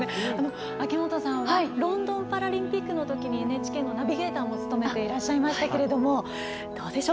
秋元さんはロンドンパラリンピックのときＮＨＫのナビゲーターも務めていましたがどうでしょう？